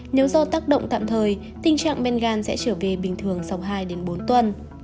nếu do tác động tạm thời tình trạng men gan sẽ trở về bình thường sau hai bốn tuần